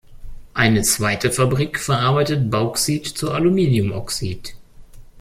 Eine zweite Fabrik verarbeitet Bauxit zu Aluminiumoxid.